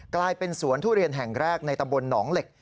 กลายเป็นสวนทุเรียนแห่งแรกในตำบลหนองเหล็ก